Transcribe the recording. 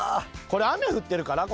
これ雨降ってるから？